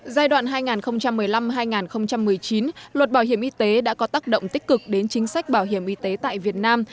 giai đoạn hai nghìn một mươi năm hai nghìn một mươi chín luật bảo hiểm y tế đã có tác động tích cực đến chính sách bảo hiểm y tế tại việt nam